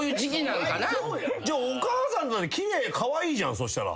じゃあお母さん奇麗カワイイじゃんそしたら。